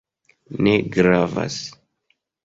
Ne gravas!